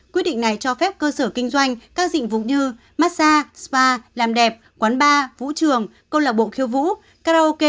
quyết định này cho phép cơ sở kinh doanh các dịch vụ như massage spa làm đẹp quán bar vũ trường câu lạc bộ khiêu vũ karaoke